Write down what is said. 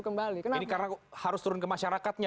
kembali kenapa ini karena harus turun ke masyarakatnya